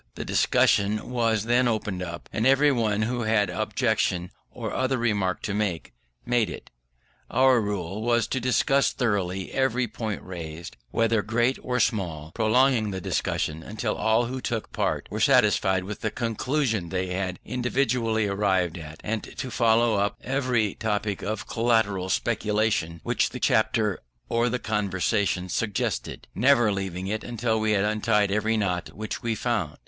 The discussion was then opened, and anyone who had an objection, or other remark to make, made it. Our rule was to discuss thoroughly every point raised, whether great or small, prolonging the discussion until all who took part were satisfied with the conclusion they had individually arrived at; and to follow up every topic of collateral speculation which the chapter or the conversation suggested, never leaving it until we had untied every knot which we found.